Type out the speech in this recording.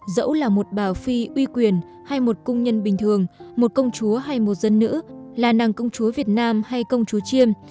dẫu là một bà phi uy quyền hay một công nhân bình thường một công chúa hay một dân nữ là nàng công chúa việt nam hay công chúa chiêm